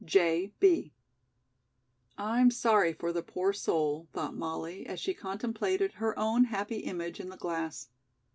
J. B." "I'm sorry for the poor soul," thought Molly, as she contemplated her own happy image in the glass.